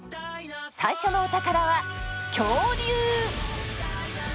最初のお宝は恐竜！